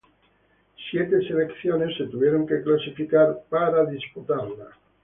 Siete selecciones se tuvieron que clasificar para disputarla.